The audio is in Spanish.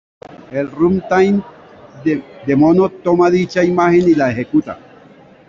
El "runtime" de Mono toma dicha imagen y la ejecuta.